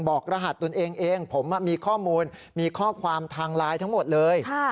รหัสตนเองเองผมมีข้อมูลมีข้อความทางไลน์ทั้งหมดเลย